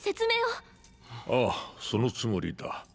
あぁそのつもりだ。